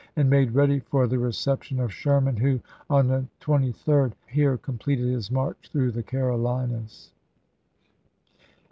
and made ready for the reception of Sherman ; who, on the 23d, here completed his march through the Carolinas.